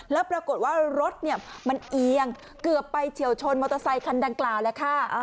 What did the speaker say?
แล้วปรากฏว่ารถมันเอียงเกือบไปเฉียวชนมอเตอร์ไซคันดังกล่าวแล้วค่ะ